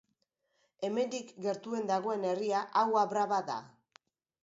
Hemendik gertuen dagoen herria, Agua Brava da.